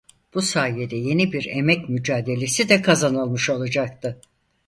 Bu sayede yeni bir emek mücadelesi de kazanılmış olacaktı.